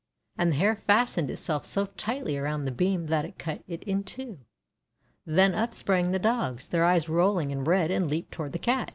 And the hair fastened itself so tightly around the beam that it cut it in two. Then up sprang the Dogs, their eyes rolling and red, and leaped toward the Cat.